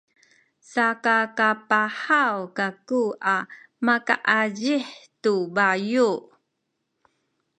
sakakapahaw kaku a makaazih tu bayu’.